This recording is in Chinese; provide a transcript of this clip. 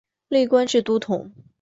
累官至都统。